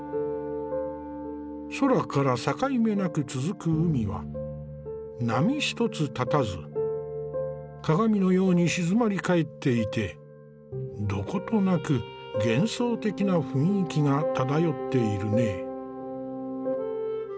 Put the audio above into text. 空から境目なく続く海は波一つ立たず鏡のように静まり返っていてどことなく幻想的な雰囲気が漂っているね。